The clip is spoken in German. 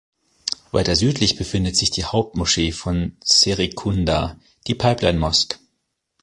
Weiter südlich befindet sich die Hauptmoschee von Serekunda, die Pipeline Mosque.